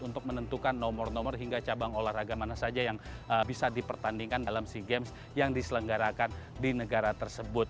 untuk menentukan nomor nomor hingga cabang olahraga mana saja yang bisa dipertandingkan dalam sea games yang diselenggarakan di negara tersebut